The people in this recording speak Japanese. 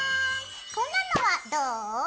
こんなのはどう？